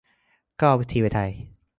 ก็ ทีวีไทย